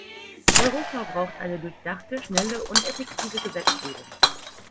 Europa braucht eine durchdachte, schnelle und effektive Gesetzgebung!